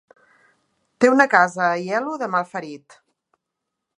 Té una casa a Aielo de Malferit.